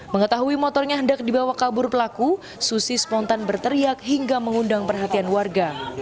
mengetahui motornya hendak dibawa kabur pelaku susi spontan berteriak hingga mengundang perhatian warga